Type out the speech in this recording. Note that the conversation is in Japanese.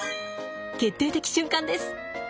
決定的瞬間です。